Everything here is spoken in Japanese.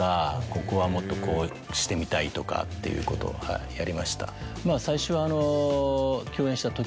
「ここはもっとこうしてみたい」とかっていうことをやりました。